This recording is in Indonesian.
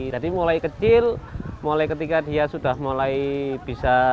jadi mulai kecil mulai ketika dia sudah mulai bisa